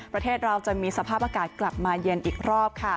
ประเทศเราจะมีสภาพอากาศกลับมาเย็นอีกรอบค่ะ